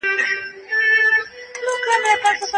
دا د سيندونو ژبه ده.